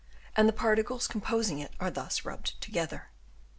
309 and the particles composing it are thus rubbed together.